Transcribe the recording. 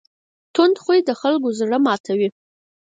تند خوی د خلکو زړه ماتوي.